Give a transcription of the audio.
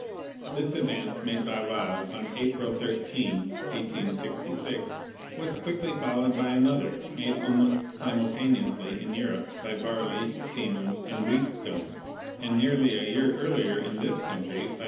This advance, made by Wilde on April 13, 1866, was quickly followed by another, made almost simultaneously in Europe by Varley, Siemens, and Wheatstone, and near ly a year earlier in this country by Mr. M.